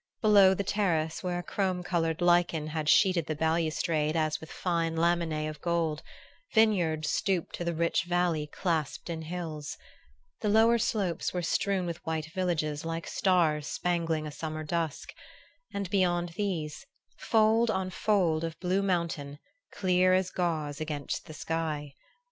Below the terrace, where a chrome colored lichen had sheeted the balustrade as with fine laminae of gold, vineyards stooped to the rich valley clasped in hills. The lower slopes were strewn with white villages like stars spangling a summer dusk; and beyond these, fold on fold of blue mountain, clear as gauze against the sky.